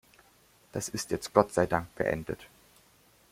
Das ist jetzt Gott sei Dank beendet.